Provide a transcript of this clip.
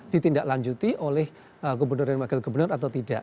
ditindaklanjuti oleh gubernur dan wakil gubernur atau tidak